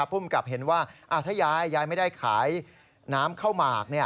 ภูมิกับเห็นว่าถ้ายายยายไม่ได้ขายน้ำข้าวหมาก